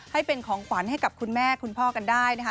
ให้เป็นของขวัญให้กับคุณแม่คุณพ่อกันได้นะคะ